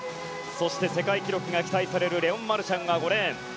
そして、世界記録が期待されるレオン・マルシャンが５レーン。